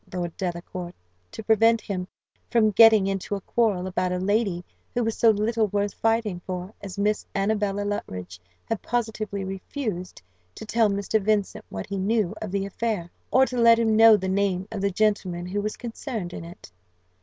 Lord Delacour, to prevent him from getting into a quarrel about a lady who was so little worth fighting for as Miss Annabella Luttridge, had positively refused to tell Mr. Vincent what he knew of the affair, or to let him know the name of the gentleman who was concerned in it.